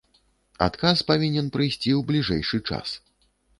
Адказ павінен прыйсці ў бліжэйшы час.